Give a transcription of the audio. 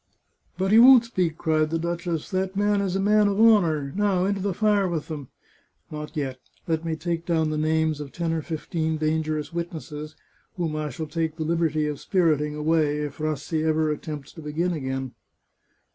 " But he won't speak," cried the duchess. " That man is a man of honour ! Now into the fire with them !"" Not yet. Let me take down the names of ten or fifteen dangerous witnesses, whom I shall take the liberty of spirit ing away, if Rassi ever attempts to begin again."